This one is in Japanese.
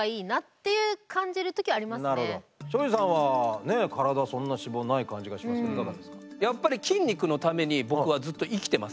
庄司さんはねえ体そんな脂肪ない感じがしますがいかがですか？